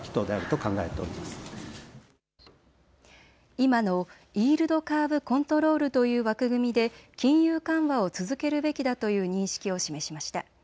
今のイールドカーブコントロールという枠組みで金融緩和を続けるべきだという認識を示しました。